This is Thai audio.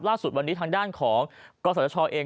ล่าสุดวันนี้ทางด้านของกศชเอง